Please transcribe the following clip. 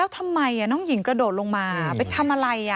ทำไมน้องหญิงกระโดดลงมาไปทำอะไร